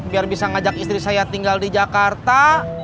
biar bisa ngajak istri saya tinggal di jakarta